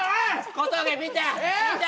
小峠見て！